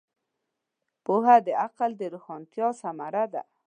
پوهه د عقل د روښانتیا ثمره ده.